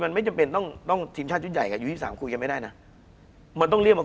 คุณผู้ชมบางท่าอาจจะไม่เข้าใจที่พิเตียร์สาร